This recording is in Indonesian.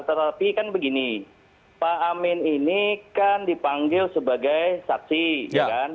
tetapi kan begini pak amin ini kan dipanggil sebagai saksi ya kan